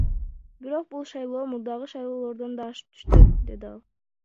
Бирок бул шайлоо мурдагы шайлоолордон да ашып түштү, — деди ал.